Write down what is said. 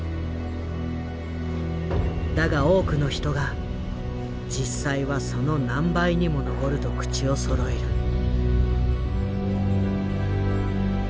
だが多くの人が実際はその何倍にも上ると口をそろえる。